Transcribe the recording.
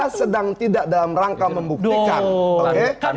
nah kita sedang tidak dalam rangka membuktikan oke